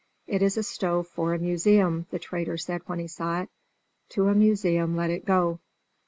'It is a stove for a museum,' the trader said when he saw it. 'To a museum let it go.'"